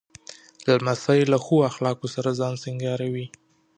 لمسی له ښو اخلاقو سره ځان سینګاروي.